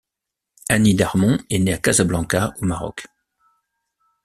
Annie Darmon est née à Casablanca, au Maroc.